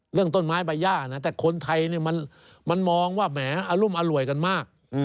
เรื่องต้นไม้ใบย่านะแต่คนไทยมันมองว่าแหมอรุมอร่วยกันมาก